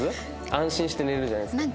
安心して寝れるじゃないですか。